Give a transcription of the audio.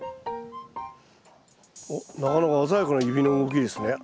おっなかなか鮮やかな指の動きですね。